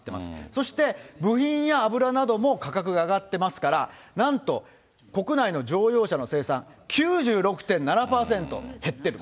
そして部品や油なども価格が上がってますから、なんと、国内の乗用車の生産９６．７％減ってる。